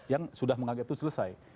yang sudah menganggap itu selesai